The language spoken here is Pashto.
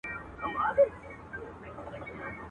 بلبلو باندي اوري آفتونه لکه غشي.